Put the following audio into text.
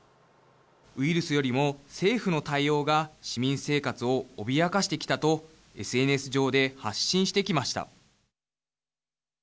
ウイルスよりも政府の対応が市民生活を、脅かしてきたとＳＮＳ上で発信してきました。